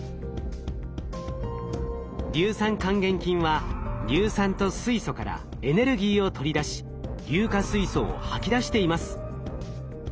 硫酸還元菌は硫酸と水素からエネルギーを取り出し硫化水素を吐き出しています。